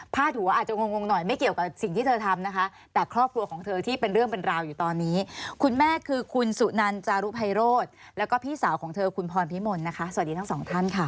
หัวอาจจะงงหน่อยไม่เกี่ยวกับสิ่งที่เธอทำนะคะแต่ครอบครัวของเธอที่เป็นเรื่องเป็นราวอยู่ตอนนี้คุณแม่คือคุณสุนันจารุภัยโรธแล้วก็พี่สาวของเธอคุณพรพิมลนะคะสวัสดีทั้งสองท่านค่ะ